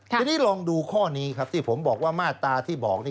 ทีนี้ลองดูข้อนี้ครับที่ผมบอกว่ามาตราที่บอก